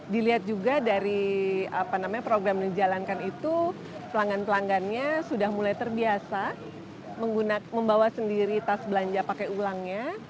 dilihat juga dari program yang dijalankan itu pelanggan pelanggannya sudah mulai terbiasa membawa sendiri tas belanja pakai ulangnya